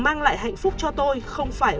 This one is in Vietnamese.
mang lại hạnh phúc cho tôi không phải